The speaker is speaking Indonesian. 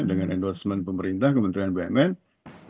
dengan endorsement pemerintah kementerian dan pemerintah